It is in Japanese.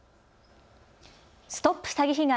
ＳＴＯＰ詐欺被害！